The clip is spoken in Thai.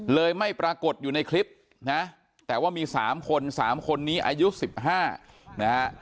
เลยไม่ปรากฏอยู่ในคลิปนะฮะแต่ว่ามีสามคนสามคนนี้อายุสิบห้านะฮะ